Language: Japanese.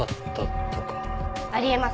あり得ます。